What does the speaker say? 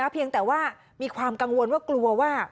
เพียงแต่ว่ามีความกังวลว่ากลัวว่า